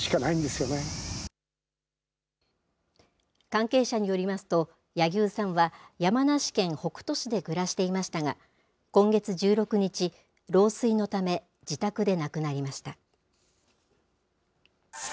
関係者によりますと、柳生さんは、山梨県北杜市で暮らしていましたが、今月１６日、老衰のため、自宅で亡くなりました。